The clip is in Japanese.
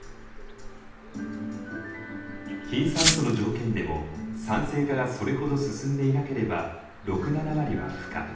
貧酸素の条件でも酸性化がそれほど進んでいなければ６７割は孵化。